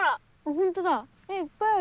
本当だいっぱいある。